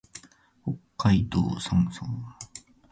北海道泊村